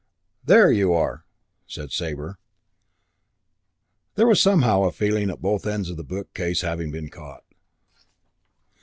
"There you are!" said Sabre. There was somehow a feeling at both ends of the bookcase of having been caught.